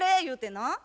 言うてな。